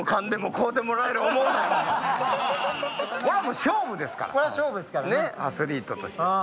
これはもう勝負ですからアスリートとして。